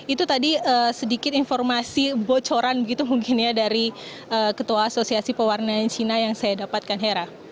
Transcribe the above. itu tadi sedikit informasi bocoran begitu mungkin ya dari ketua asosiasi pewarnaan cina yang saya dapatkan hera